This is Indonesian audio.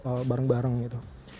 untuk tumbuh bareng bareng gitu